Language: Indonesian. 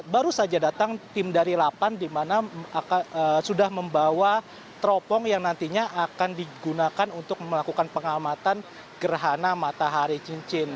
baru saja datang tim dari delapan di mana sudah membawa teropong yang nantinya akan digunakan untuk melakukan pengamatan gerhana matahari cincin